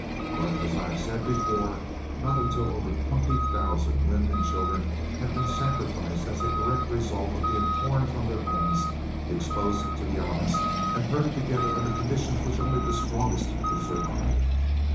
But, as I have said before, not until over 20,000 women and children had been sacrificed as a direct result of being torn from their homes, exposed to the elements, and herded together under conditions which only the strongest could survive.